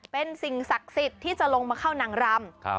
เป็นสิ่งศักดิ์สิทธิ์ที่จะลงมาเข้านางรำ